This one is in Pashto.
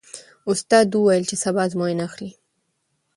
استاد وویل چې سبا ازموینه اخلي.